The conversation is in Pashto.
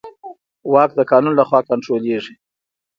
واک د قانون له خوا کنټرولېږي.